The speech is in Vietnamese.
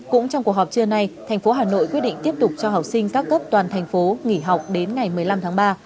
cũng trong cuộc họp trưa nay thành phố hà nội quyết định tiếp tục cho học sinh các cấp toàn thành phố nghỉ học đến ngày một mươi năm tháng ba